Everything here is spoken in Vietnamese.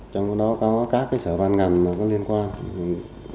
trong đó có các sở văn ngành liên quan